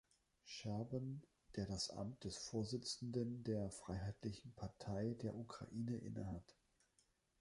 Scherban, der das Amt des Vorsitzenden der Freiheitlichen Partei der Ukraine innehat.